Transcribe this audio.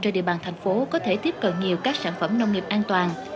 trên địa bàn thành phố có thể tiếp cận nhiều các sản phẩm nông nghiệp an toàn